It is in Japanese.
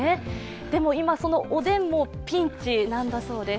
でも、今、そのおでんもピンチなんだそうです。